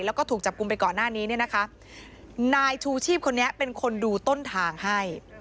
แล้วก็ถูกจับกลุ่มไปก่อนหน้านี้เนี่ยนะคะนายชูชีพคนนี้เป็นคนดูต้นทางให้